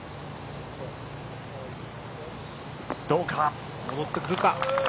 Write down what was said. どうか、戻ってくるか。